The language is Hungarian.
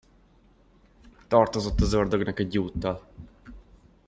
Tartozott az ördögnek egy úttal.